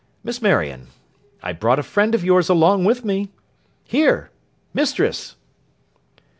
Miss Marion, I brought a friend of yours along with me. Here! Mistress!